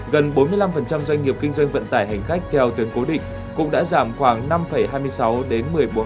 gần bốn mươi năm doanh nghiệp kinh doanh vận tải hành khách theo tuyến cố định cũng đã giảm khoảng năm hai mươi sáu đến một mươi bốn